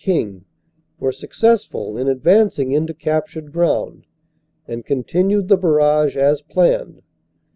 King, were successful in advancing into captured ground, and con tinued the barrage as planned.